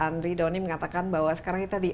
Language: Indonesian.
andri doni mengatakan bahwa sekarang kita di